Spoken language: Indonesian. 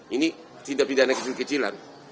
ini tindak pidana kecil kecilan